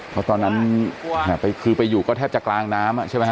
เพราะตอนนั้นคือไปอยู่ก็แทบจะกลางน้ำใช่ไหมฮ